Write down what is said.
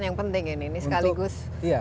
yang penting ini sekaligus